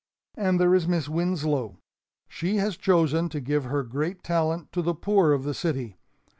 "And there is Miss Winslow. She has chosen to give her great talent to the poor of the city.